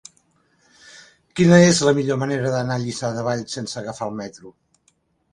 Quina és la millor manera d'anar a Lliçà de Vall sense agafar el metro?